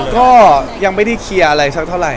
ก็ยังไม่ได้เคลียร์อะไรสักเท่าไหร